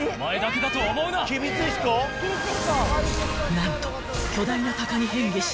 ［何と］